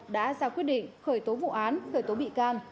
đã ra quyết định khởi tố vụ án khởi tố bị can